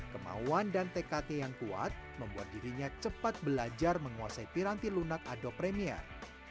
kemauan dan tekadnya yang kuat membuat dirinya cepat belajar menguasai piranti lunak adopremiar